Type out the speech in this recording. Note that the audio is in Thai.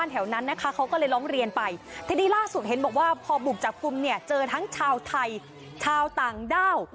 ทีนี้ล่าสุดเห็นบอกว่าพอบุกจับกลุ่มเนี่ยเจอทั้งชาวไทยชาวต่างด้าว